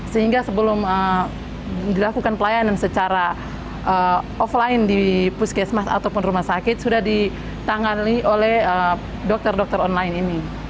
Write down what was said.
sehingga sebelum dilakukan pelayanan secara offline di puskesmas ataupun rumah sakit sudah ditangani oleh dokter dokter online ini